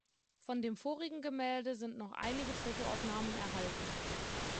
Von dem vorigen Gemälde sind noch einige Fotoaufnahmen erhalten.